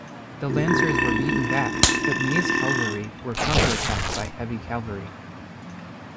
The lancers were beaten back, but Ney's cavalry were counter-attacked by heavy cavalry.